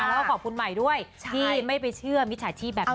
แล้วก็ขอบคุณใหม่ด้วยที่ไม่ไปเชื่อมิจฉาชีพแบบนี้